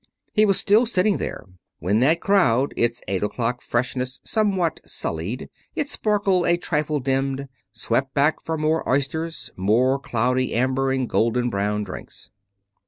He was still sitting there when that crowd, its eight o'clock freshness somewhat sullied, its sparkle a trifle dimmed, swept back for more oysters, more cloudy amber and golden brown drinks.